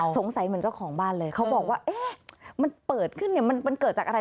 เหมือนเจ้าของบ้านเลยเขาบอกว่าเอ๊ะมันเปิดขึ้นเนี่ยมันเกิดจากอะไร